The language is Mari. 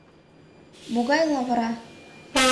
Могай лавыра.